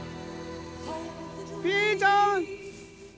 ピーちゃん！